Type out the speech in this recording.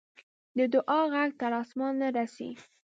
د دعا ږغ تر آسمانه رسي.